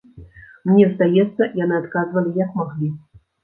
Мне здаецца, яны адказвалі, як маглі.